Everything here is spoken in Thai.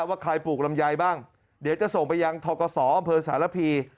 ว่าใครปลูกลำไยบ้างเดี๋ยวจะส่งไปยังทกศอำเภอสารพี